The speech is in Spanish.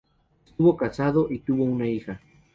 Estuvo casado y tuvo una hija.